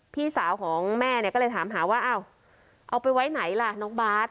พี่สาวของแม่เนี่ยก็เลยถามหาว่าอ้าวเอาไปไว้ไหนล่ะน้องบาท